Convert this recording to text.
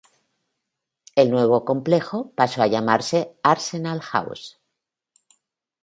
El nuevo complejo pasó a llamarse "Arsenal House".